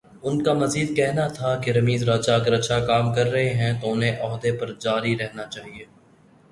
ان کا مزید کہنا تھا کہ رمیز راجہ اگر اچھا کام کررہے ہیں تو انہیں عہدے پر جاری رہنا چاہیے۔